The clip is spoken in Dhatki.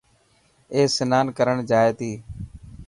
اي سنان ڪرڻ جائي تي.